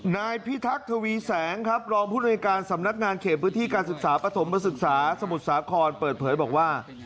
นายพิทักษ์ทวีแสงครับรองผู้ในการสำนักงานเขตพื้นที่การศึกษาปฐมศึกษาสมุทรสาครเปิดเผยบอกว่า